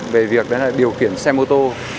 về việc điều kiển xe mô tô